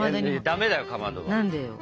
ダメだよかまどは。